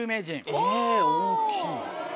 えぇ大きい？